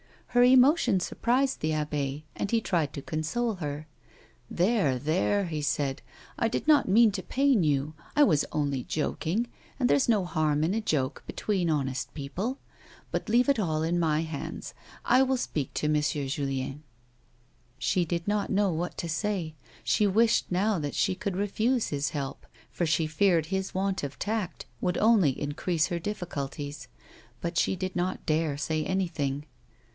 Her emotion surprised the abbe, and he tried to console her. A WOMAN'S LIFE. " There, there," he said ;" I did not mean to pain you. I was only joking, and there's no harm in a joke between honest people. But leave it all in my hands, and I will speak to M. Julien." She did not know what to say. She wished, now, that she could refuse his help, for she feared his want of tact would only increase her difficulties, but she did not dare say any thing.